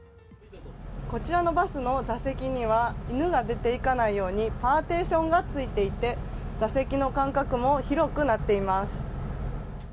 こちらのバスの座席には犬が出ていかないようにパーティションがついていて座席の間隔も広くなっています。